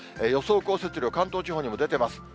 予想降雪量、関東地方にも出てます。